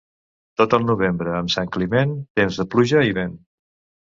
Tot el novembre amb Sant Climent, temps de pluja i vent.